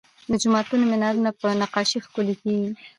د جوماتونو مینارونه په نقاشۍ ښکلي کیږي.